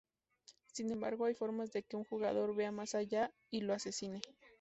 Sin embargo, hay formas de que un jugador "vea más allá" y lo asesine.